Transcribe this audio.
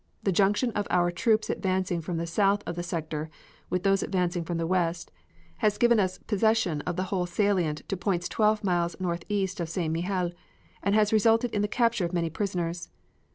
The junction of our troops advancing from the south of the sector with those advancing from the west has given us possession of the whole salient to points twelve miles northeast of St. Mihiel, and has resulted in the capture of many prisoners.